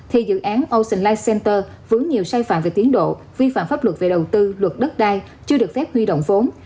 thì dự án ocean ligh center vướng nhiều sai phạm về tiến độ vi phạm pháp luật về đầu tư luật đất đai chưa được phép huy động vốn